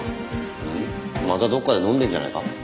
またどこかで飲んでるんじゃないか？